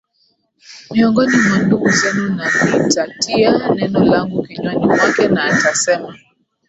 miongoni mwa ndugu zenu na nitatia neno langu kinywani mwake na atasema